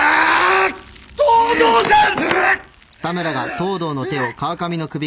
東堂さん！